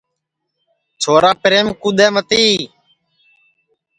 چھورا پریم کُدؔے متی